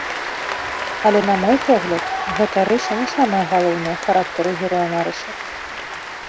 Але, на мой погляд, гэта рыса не самая галоўная ў характары героя нарыса.